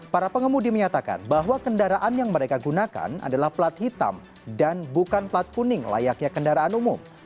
para pengemudi menyatakan bahwa kendaraan yang mereka gunakan adalah plat hitam dan bukan plat kuning layaknya kendaraan umum